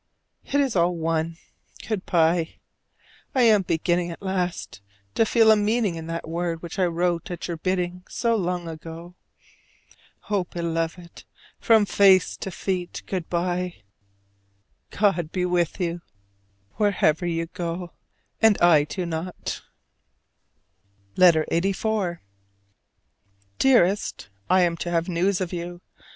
It is all one. Good by: I am beginning at last to feel a meaning in that word which I wrote at your bidding so long ago. Oh, Beloved, from face to feet, good by! God be with you wherever you go and I do not! LETTER LXXXIV. Dearest: I am to have news of you.